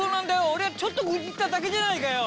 俺はちょっと愚痴っただけじゃないかよ。